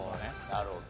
なるほど。